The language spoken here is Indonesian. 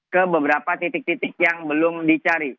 ke beberapa titik titik yang belum dicari